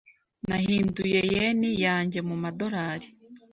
Nahinduye yen yanjye mu madorari .